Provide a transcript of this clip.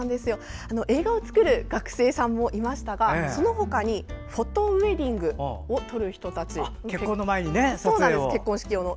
映画を作る学生さんもいましたが、その他にフォトウエディングを撮る人たち、結婚式用の。